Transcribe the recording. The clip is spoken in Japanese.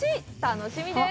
楽しみです！